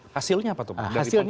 hasilnya apa tuh dari pengkajian itu